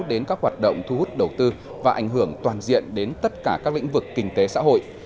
đến các hoạt động thu hút đầu tư và ảnh hưởng toàn diện đến tất cả các lĩnh vực kinh tế xã hội